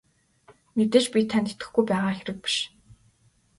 Мэдээж би танд итгэхгүй байгаа хэрэг биш.